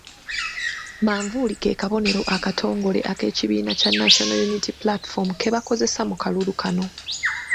Manvuuli ke kabonero akatongole ak'ekibiina kya National Unity Platform ke bakozesa mu kalulu kano.